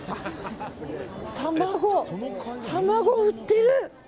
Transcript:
卵、売ってる！